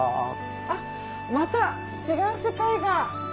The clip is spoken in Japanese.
あっまた違う世界が！